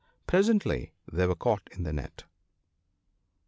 Presently they were caught in the net.